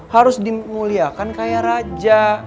harus dimuliakan kayak raja